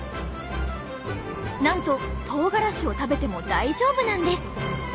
なんととうがらしを食べても大丈夫なんです！